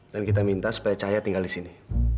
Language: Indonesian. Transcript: dan kita minta supaya cahaya tinggal disini